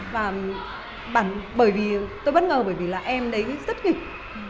và tôi bất ngờ bởi vì là em đấy rất nghịch